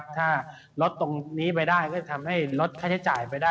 ถ้าลดตรงนี้ไปได้ก็จะทำให้ลดค่าใช้จ่ายไปได้